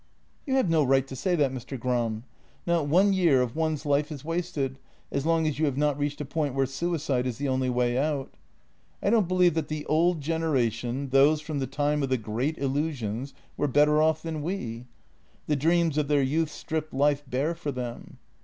You have no right to say that, Mr. Gram. Not one year of one's life is wasted, as long as you have not reached a point where suicide is the only way out. I don't believe that the old generation, those from the time of the great illusions, were better off than we. The dreams of their youth stripped life bare for them.